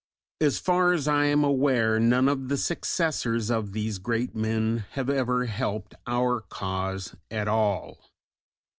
As far as I am aware, none of the successors of these great men have ever helped our cause at all.